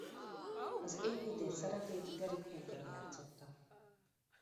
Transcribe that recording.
Az építész szerepét Gary Cooper játszotta.